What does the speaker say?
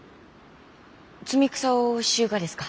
摘み草をしゆうがですか？